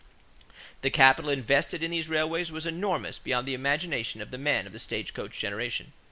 The capital invested in these railways was enormous beyond the imagination of the men of the stagecoach generation.